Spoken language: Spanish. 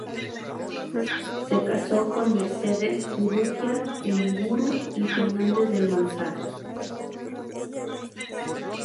Se casó con Mercedes Urrutia Mendiburu y Fernández del Manzano.